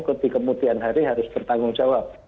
ketika kemudian hari harus bertanggungjawab